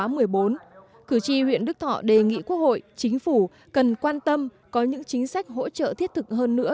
tại buổi tiếp xúc cử tri huyện đức thọ đề nghị quốc hội chính phủ cần quan tâm có những chính sách hỗ trợ thiết thực hơn nữa